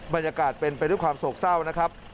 บรรยากาศเป็นไปด้วยความโศกเศร้านะครับ